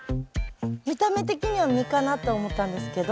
見た目的には実かなと思ったんですけど。